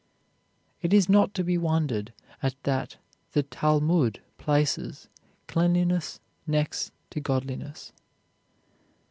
It is not to be wondered at that the Talmud places cleanliness next to godliness.